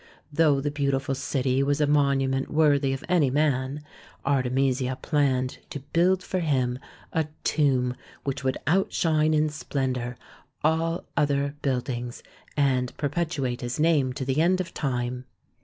Though the beautiful city was a monument worthy of any man, Artemisia planned to build for him a tomb which would outshine in splendour all other buildings, and perpetuate his name to the end of time.